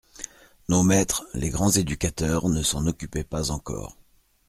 Nos maîtres, les grands éducateurs, ne s'en occupaient pas encore.